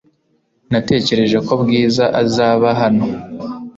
Natekereje ko Bwiza azaba hano .